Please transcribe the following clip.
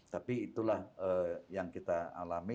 tapi itulah yang kita alami